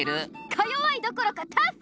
かよわいどころかタフ！